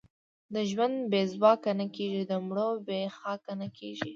د ژوندو بې ځواکه نه کېږي، د مړو بې خاکه نه کېږي.